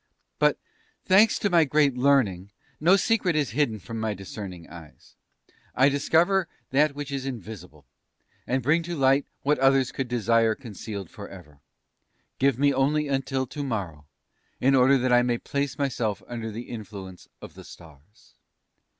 But thanks to my great learning, no secret is hidden from my discerning eyes; I discover that which is invisible, and bring to light what others would desire concealed forever. Give me only till to morrow, in order that I may place myself under the influence of the Stars."